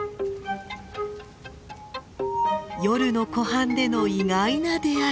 夜の湖畔での意外な出会い。